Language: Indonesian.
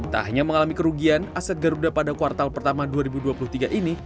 tak hanya mengalami kerugian aset garuda pada kuartal pertama dua ribu dua puluh tiga ini